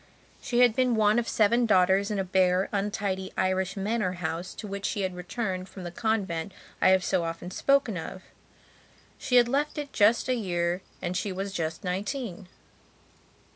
She had been one of seven daughters in a bare, untidy Irish manor house to which she had returned from the convent I have so often spoken of. She had left it just a year and she was just nineteen.